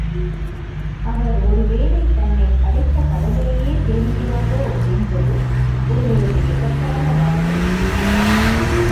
அவர் ஒருவேளை தன்னைப் படைத்த கடவுளையே தேடுகிறாரோ என்பது ஒருவரது ஏகத்தாள வாதம்.